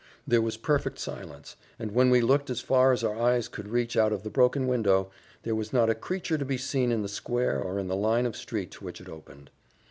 There was perfect silence; and when we looked as far as our eyes could reach out of the broken window, there was not a creature to be seen in the square or in the line of street to which it opened.